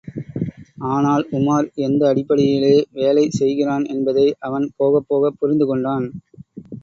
ஆனால், உமார் எந்த அடிப்படையிலே வேலை செய்கிறான் என்பதை அவன் போகப் போகப் புரிந்துகொண்டான்.